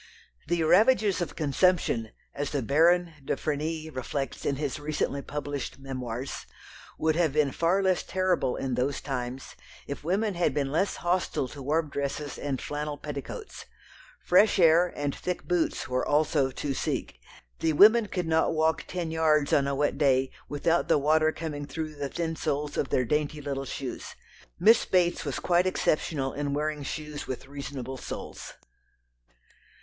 The ravages of consumption, as the Baron de Frenilly reflects in his recently published memoirs, would have been far less terrible in those times if women had been less hostile to warm dresses and flannel petticoats. Fresh air and thick boots were also to seek. The women could not walk ten yards on a wet day without the water coming through the thin soles of their dainty little shoes. Miss Bates was quite exceptional in wearing shoes with reasonable soles.